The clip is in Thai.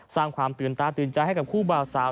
สร้างความตื่นตาตื่นใจให้กับคู่บ่าวสาว